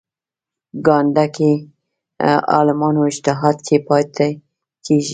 ګانده کې عالمانو اجتهاد کې پاتې کېږي.